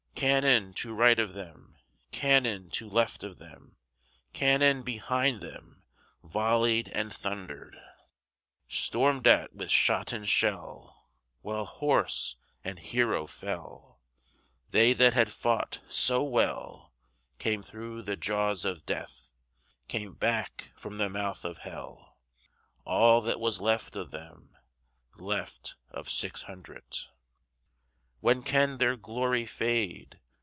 Cannon to right of them, Cannon to left of them, Cannon behind themVolley'd and thunder'd; Storm'd at with shot and shell, While horse and hero fell, They that had fought so wellCame thro' the jaws of Death, Back from the mouth of Hell, All that was left of them, Left of six hundred. When can their glory fade?